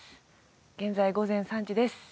現在午前３時です